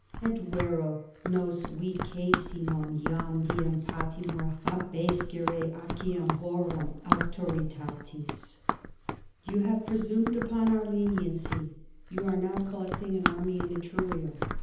At vero nos vicesimum iam diem patimur hebescere aciem horum auctoritatis. _You have presumed upon our leniency; you are now collecting an army in Etruria.